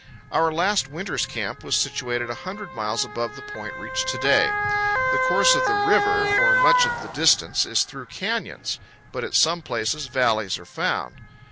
Our last winter's camp was situated a hundred miles above the point reached to day. The course of the river, for much of the distance, is through canyons; but at some places valleys are found.